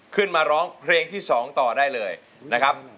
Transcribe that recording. ขึ้นมาร้องเพลงที่๒ต่อได้เลยนะครับ